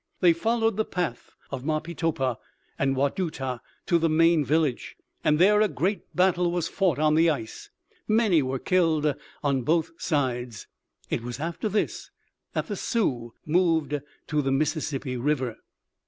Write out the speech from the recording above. They followed the path of Marpeetopah and Wadutah to the main village, and there a great battle was fought on the ice. Many were killed on both sides. It was after this that the Sioux moved to the Mississippi river."